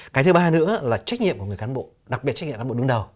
cái thứ ba nữa là trách nhiệm của người cán bộ đặc biệt trách nhiệm của người cán bộ đúng đầu